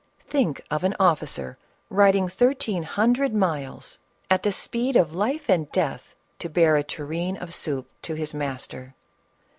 Think of an officer riding thirteen hundred miles at the speed CATHERINE OF RUSSIA. of life and death, to bear a tureen of soup to his mas ter